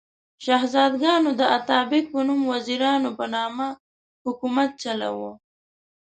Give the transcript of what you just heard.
شهزادګانو د اتابک په نوم وزیرانو په مرسته حکومت چلاوه.